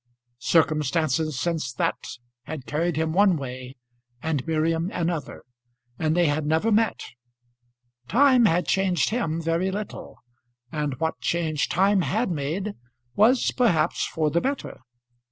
Circumstances since that had carried him one way and Miriam another, and they had never met. Time had changed him very little, and what change time had made was perhaps for the better.